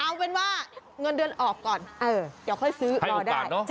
เอาเป็นว่าเงินเดือนออกก่อนเดี๋ยวค่อยซื้อให้โอกาสเนอะ